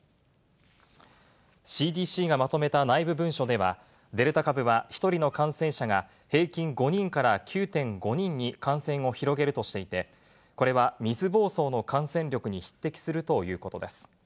ＣＤＣがまとめた内部文書では、デルタ株は１人の感染者が、平均５人から９．５人に感染を広げるとしていて、これは水ぼうそうの感染力に匹敵するということです。